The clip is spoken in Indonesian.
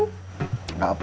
biasanya juga di warung untik